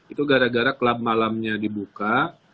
itu gara gara klub malamnya dibuka